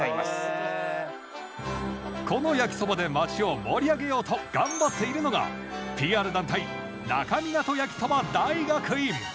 この焼きそばで街を盛り上げようと頑張っているのがＰＲ団体那珂湊焼きそば大学院。